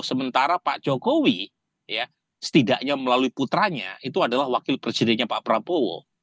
sementara pak jokowi setidaknya melalui putranya itu adalah wakil presidennya pak prabowo